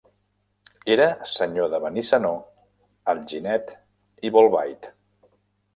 Era senyor de Benissanó, Alginet i Bolbait.